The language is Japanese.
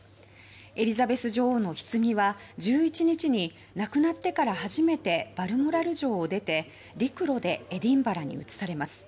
エリザベス女王のひつぎは１１日に亡くなってから初めてバルモラル城を出て、陸路でエディンバラに移されます。